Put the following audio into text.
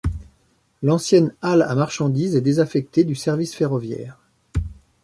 L'ancienne halle à marchandises est désaffectée du service ferroviaire.